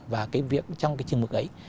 và trong cái trường hợp ấy